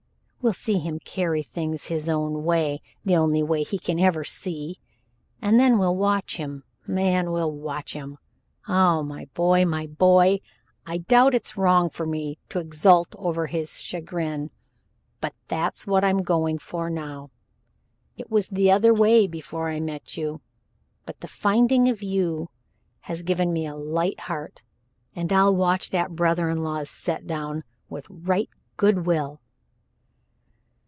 We'll see him carry things his own way the only way he can ever see and then we'll watch him man, we'll watch him Oh, my boy, my boy! I doubt it's wrong for me to exult over his chagrin, but that's what I'm going for now. It was the other way before I met you, but the finding of you has given me a light heart, and I'll watch that brother in law's set down with right good will."